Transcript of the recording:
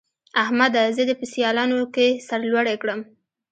احمده! زه دې په سيالانو کې سر لوړی کړم.